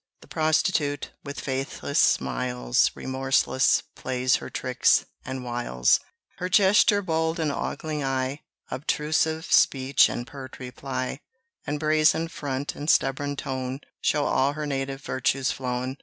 The prostitute, with faithless smiles, Remorseless plays her tricks and wiles. Her gesture bold and ogling eye, Obtrusive speech and pert reply, And brazen front and stubborn tone, Show all her native virtue's flown.